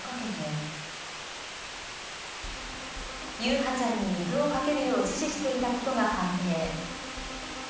優陽ちゃんに水をかけるよう指示していたことが判明。